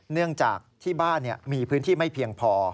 เนื่องจากที่บ้านมีพื้นที่ไม่เพียงพอ